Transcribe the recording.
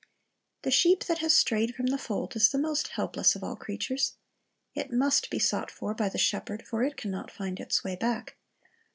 The sheep that has strayed from the fold is the most helpless of all creatures. It must be sought for by the shepherd, for it can not find its way back.